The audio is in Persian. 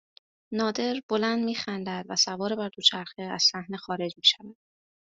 نادر بلند میخندد و سوار بر دوچرخه از صحنه خارج میشود